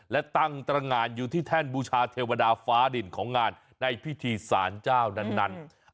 และตั้งตรงานอยู่ที่แท่นบูชาเทวดาฟ้าดินของงานในพิธีสารเจ้านั้น